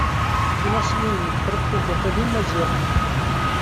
Inaṣliyen n tefṛiqt ugafa d Imaziɣen.